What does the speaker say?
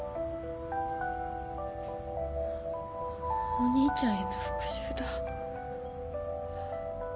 お兄ちゃんへの復讐だ。